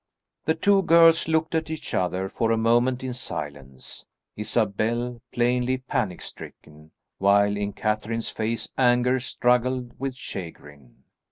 The two girls looked at each other for a moment in silence, Isabel plainly panic stricken, while in Catherine's face anger struggled with chagrin.